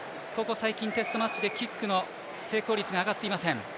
最近テストマッチでキックの成功率が上がってきません。